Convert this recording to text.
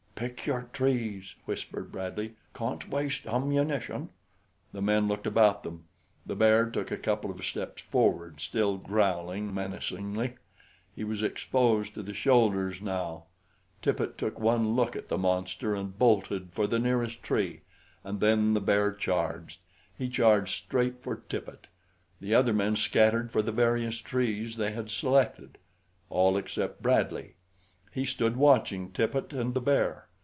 "Pick your trees," whispered Bradley. "Can't waste ammunition." The men looked about them. The bear took a couple of steps forward, still growling menacingly. He was exposed to the shoulders now. Tippet took one look at the monster and bolted for the nearest tree; and then the bear charged. He charged straight for Tippet. The other men scattered for the various trees they had selected all except Bradley. He stood watching Tippet and the bear.